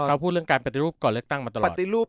เขาพูดเรื่องการปฏิรูปก่อนเลือกตั้งมาตลอดปฏิรูป